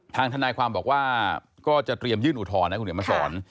ทางทนายความบอกว่าก็จะเตรียมยื่นอุทรให้คุณเหนียวมาสอน